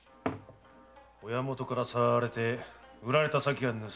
親許からさらわれて売られた先が盗人だ。